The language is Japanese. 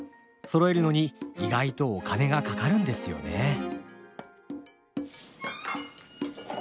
そろえるのに意外とお金がかかるんですよねえ。